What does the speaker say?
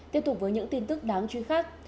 tiếp tục với những tin tức đáng truy khắc